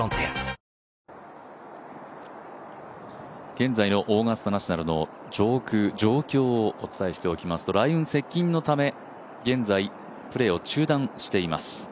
現在のオーガスタ・ナショナルの上空、状況をお伝えしておきますと雷雲接近のため、現在プレーを中断しています。